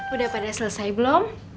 udah pada selesai belum